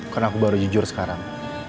karena aku baru jujur sekarang